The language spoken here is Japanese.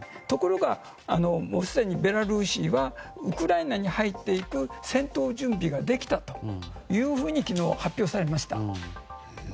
ところが、すでにベラルーシはウクライナに入っていく戦闘準備ができたというふうに昨日、発表されました。